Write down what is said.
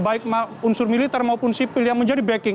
baik unsur militer maupun sipil yang menjadi backing